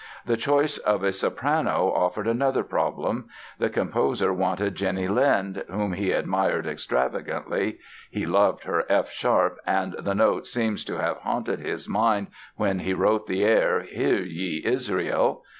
The choice of a soprano offered another problem. The composer wanted Jenny Lind, whom he admired extravagantly (he loved her F sharp and the note seems to have haunted his mind when he wrote the air, "Hear Ye, Israel").